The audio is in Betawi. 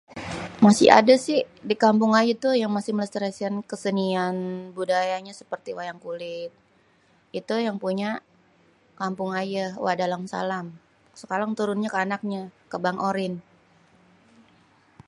masih ada sih di kampung ayé tuh yang melestarikan kesenian budayanya seperti wayang kulit.. itu yang punya kampung ayé wak Dalang Salam.. sekarang turunnyé ké anaknya ke bang Orin..